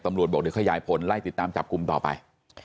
ตำรวจบอกได้ขยายผลไล่ติดตามจับกลุ่มต่อไป